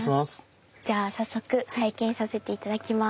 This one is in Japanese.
じゃあ早速拝見させて頂きます。